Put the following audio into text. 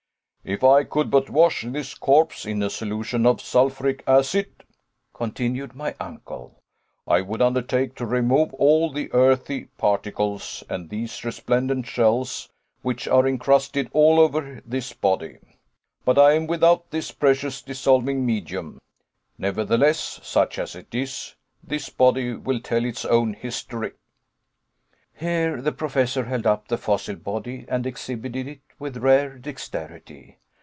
"If I could but wash this corpse in a solution of sulphuric acid," continued my uncle, "I would undertake to remove all the earthy particles, and these resplendent shells, which are incrusted all over this body. But I am without this precious dissolving medium. Nevertheless, such as it is, this body will tell its own history." Here the Professor held up the fossil body, and exhibited it with rare dexterity.